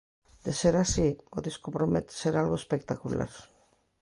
De ser así, o disco promete ser algo espectacular.